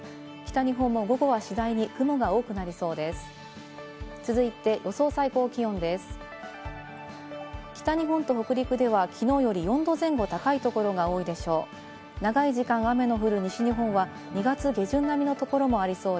北日本と北陸では、きのうより４度前後高い所が多いでしょう。